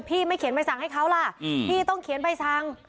ไม่เขียนใบสั่งให้เขาล่ะพี่ต้องเขียนใบสั่ง